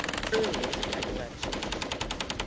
EARLIEST RECOLLECTIONS I.